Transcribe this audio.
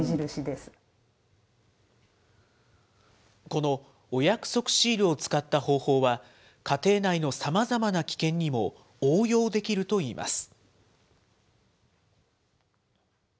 このお約束シールを使った方法は、家庭内のさまざまな危険にも応用できるといいます。